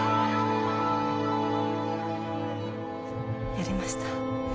やりました。